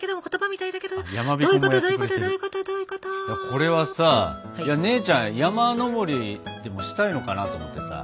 これはさ姉ちゃん山登りでもしたいのかなと思ってさ。